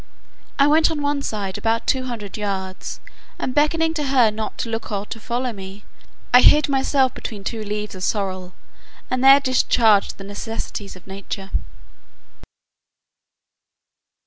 I went on one side about two hundred yards, and beckoning to her not to look or to follow me, I hid myself between two leaves of sorrel, and there discharged the necessities of nature.